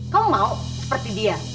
kamu mau seperti dia